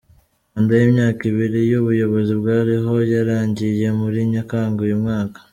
Manda y’ imyaka ibiri y’ubuyobozi bwari ho yarangiye muri Nyakanga uyu mwaka.